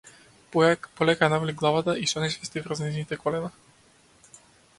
Полека ја навали главата и се онесвести врз нејзините колена.